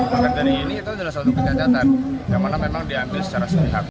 maka dari ini itu adalah satu kenyataan yang mana memang diambil secara sehat